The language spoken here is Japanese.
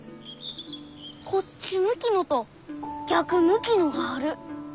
こっち向きのと逆向きのがある。